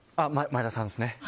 前田さんですね。